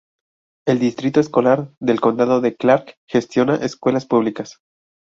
El Distrito Escolar del Condado de Clark gestiona escuelas públicas.